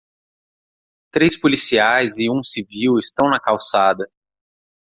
Três policiais e um civil estão na calçada.